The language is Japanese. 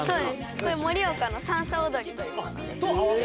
これ盛岡のさんさ踊りというものです。